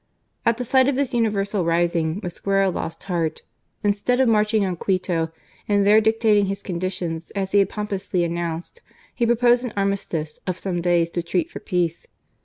At the sight of this universal rising Mosquera lost heart. Instead of marching on Quito, and there dictating his conditions as he had pompously announced, he proposed an armistice of some days to treat for peace.